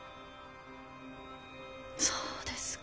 そうですか。